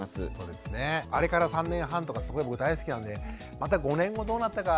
あれから３年半とかすごい僕大好きなんでまた５年後どうなったか。